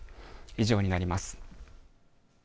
以上になります。